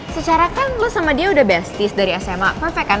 secara kan lo sama dia udah bestis dari sma papa kan